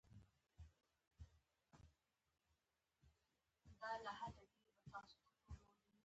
زه پوه شوم چې کارونه باید د مقرراتو سره سم ترسره شي.